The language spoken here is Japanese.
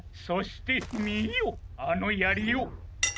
そしてみよあのやりを！